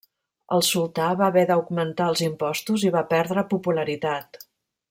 El sultà va haver d'augmentar els impostos i va perdre popularitat.